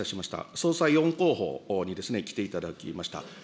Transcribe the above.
総裁４候補に来ていただきました。